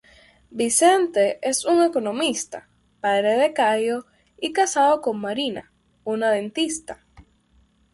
Vicente es un economista, padre de Caio y casado con Marina, una dentista.